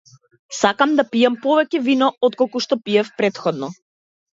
Сакам да пијам повеќе вино отколку што пиев претходно.